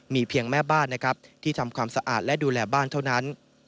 มีเพียงแม่บ้านนะครับที่ทำความสะอาดและดูแลบ้านเท่านั้น